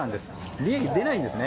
利益出ないんですね。